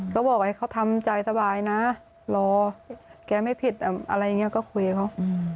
ก็บอกให้เขาทำใจสบายนะรอแกไม่ผิดอะไรอย่างนี้ก็คุยกับเขา